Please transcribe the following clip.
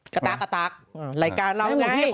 กระตากรายการเราไง